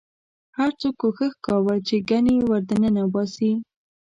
هر څوک کوښښ کاوه چې ګنې ورننه باسي.